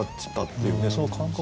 その感覚